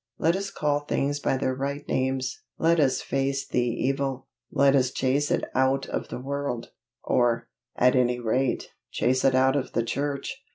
Let us call things by their right names. Let us face the evil. Let us chase it out of the world or, at any rate, chase it out of the church.